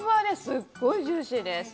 すごいジューシーです。